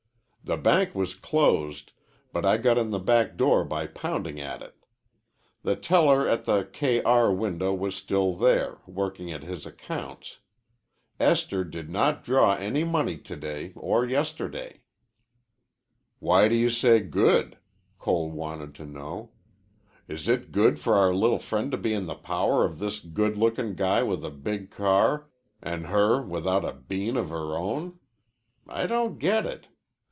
"The bank was closed, but I got in the back door by pounding at it. The teller at the K R window was still there, working at his accounts. Esther did not draw any money to day or yesterday." "Why do you say good?" Cole wanted to know. "Is it good for our li'l' friend to be in the power of this good lookin' guy with the big car, an' her without a bean of her own? I don't get it.